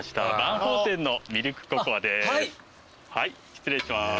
失礼します